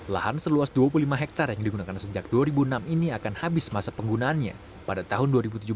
lahan seluas dua puluh lima hektare yang digunakan sejak dua ribu enam ini akan habis masa penggunaannya pada tahun dua ribu tujuh belas